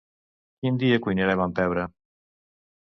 Quin dia cuinarem amb pebre?